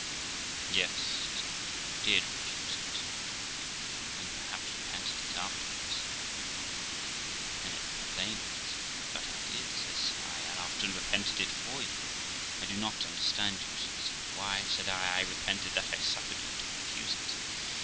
'Yes', says I, 'you did refuse it, and perhaps repented it afterwards.' 'I never complained', said he. 'But I did', says I; 'and often repented it for you.' 'I do not understand you', says he. 'Why', said I, 'I repented that I suffered you to refuse it.'